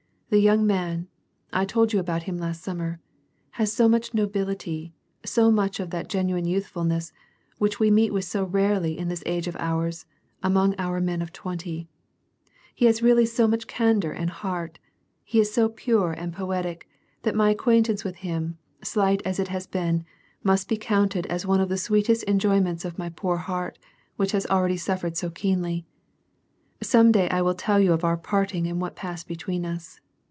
The young man, — I told you about him last summer — has so much nobility, so much of that gen uine youth fulness, which we meet with so rarely in this age of ours, among our old men of twenty ! He has really so much candor and heart ! he is so pure and poetic, that my acquain tan(»i with him, slight as it has been, must be counted as one of the sweetest enjoyments of my poor heart, which has already suffered so keenly. Some day I will tell you of our parting and what passed between us.